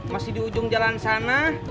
masih di ujung jalan sana